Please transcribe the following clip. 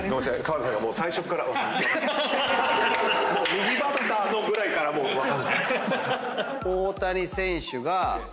「右バッターの」ぐらいから「分かんない」